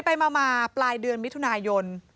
ไปมาปลายเดือนมิถุนายน